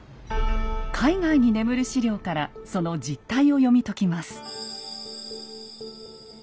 海外に眠る史料からその実態を読み解きます。